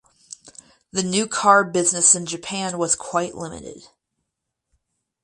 The new car business in Japan was quite limited.